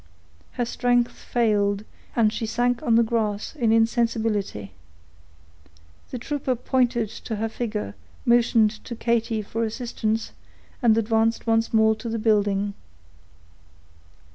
Her strength failed, and she sank on the grass, in insensibility. The trooper pointed to her figure, motioned to Katy for assistance, and advanced once more to the building.